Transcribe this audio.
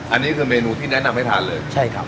อันนี้คือเมนูที่แนะนำให้ทานเลยใช่ครับ